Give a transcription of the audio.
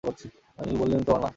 বল আমি তোমার মা!